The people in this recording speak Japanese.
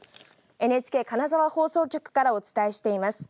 ＮＨＫ金沢放送局からお伝えしています。